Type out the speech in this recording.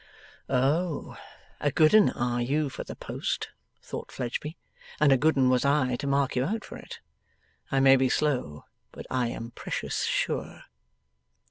'Oh, a good 'un are you for the post,' thought Fledgeby, 'and a good 'un was I to mark you out for it! I may be slow, but I am precious sure.